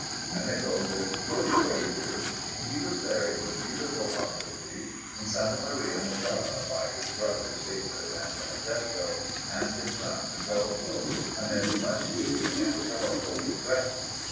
Domenico lived forty four years, and he was buried with beautiful obsequies in S. Maria Novella by his brothers David and Benedetto and his son Ridolfo, amid much weeping and sorrowful regrets.